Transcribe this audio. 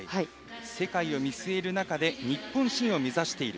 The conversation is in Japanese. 世界を見据える中で日本新を目指している。